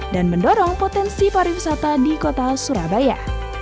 dan mendorong potensi pariwisata di kota surabaya